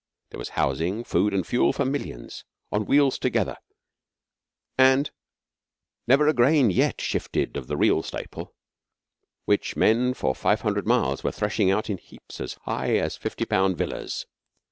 There was housing, food, and fuel for millions, on wheels together, and never a grain yet shifted of the real staple which men for five hundred miles were threshing out in heaps as high as fifty pound villas.